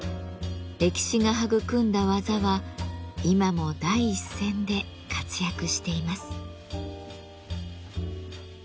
歴史が育んだ技は今も第一線で活躍しています。